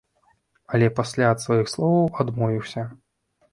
Але пасля ад сваіх словаў адмовіўся.